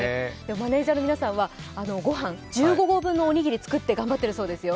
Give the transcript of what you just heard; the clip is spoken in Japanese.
マネージャーの皆さんはごはん１５合分のおにぎりを作って頑張っているそうですよ。